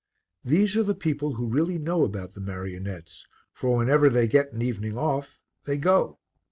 These are the people who really know about the marionettes, for whenever they get an evening off they go.